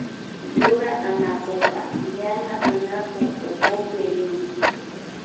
Yura anakuka yana anaku ukupi rin